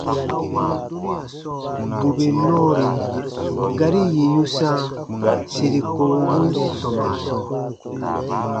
Bù bè nɔɔri gari yì yu sãa siri kowobun sɔmaa sɔɔ,